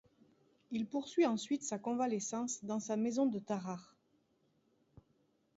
Il poursuit ensuite sa convalescence dans sa maison de Tarare.